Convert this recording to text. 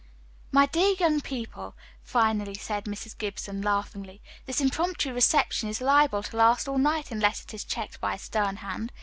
"My dear young people," finally said Mrs. Gibson, laughingly, "this impromptu reception is liable to last all night unless it is checked by a stern hand.